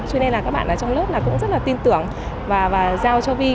cho nên là các bạn ở trong lớp là cũng rất là tin tưởng và giao cho vi